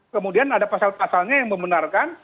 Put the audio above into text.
kemudian ada pasal pasalnya yang membenarkan